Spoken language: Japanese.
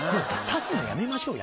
指すのやめましょうよ